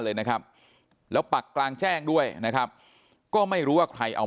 เลยนะครับแล้วปักกลางแจ้งด้วยนะครับก็ไม่รู้ว่าใครเอา